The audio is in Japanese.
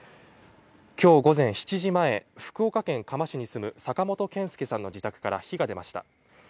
今日午前７時前、福岡県嘉麻市に住む坂本憲介さんの自宅から火が出ました。